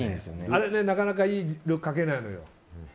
あれ、なかなかいい「る」書けないのよ。